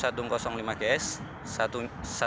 berada di wilayah ibu kota